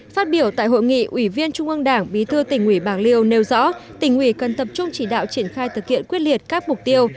phát biểu tại hội nghị ủy viên trung ương đảng bí thư tỉnh ủy bạc liêu nêu rõ tỉnh ủy cần tập trung chỉ đạo triển khai thực hiện quyết liệt các mục tiêu